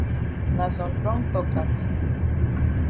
Na some trong tok dat.